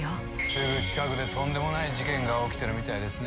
・「すぐ近くでとんでもない事件が起きてるみたいですね」